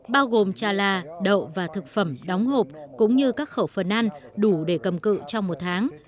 bao gồm trà la đậu và thực phẩm đóng hộp cũng như các khẩu phần ăn đủ để cầm cự trong một tháng